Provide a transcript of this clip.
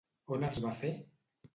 On els va fer?